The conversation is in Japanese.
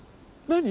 何？